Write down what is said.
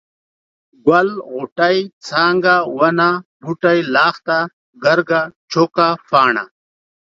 ګل، غوټۍ، څانګه ، ونه ، بوټی، لښته ، ګرګه ، چوکه ، پاڼه،